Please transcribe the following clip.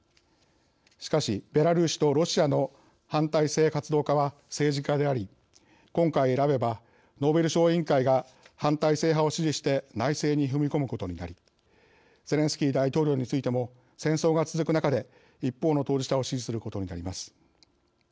しかしベラルーシとロシアの反体制活動家は政治家であり今回選べばノーベル賞委員会が反体制派を支持して内政に踏み込むことになりゼレンスキー大統領についても戦争が続く中で一方の当事者を支持することになります。